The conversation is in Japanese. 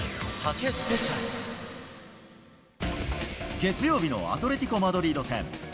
月曜日のアトレティコマドリード戦。